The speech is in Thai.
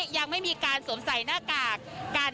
ยังไม่มีการสวมใส่หน้ากากกัน